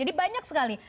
jadi banyak sekali